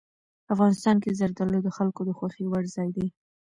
افغانستان کې زردالو د خلکو د خوښې وړ ځای دی.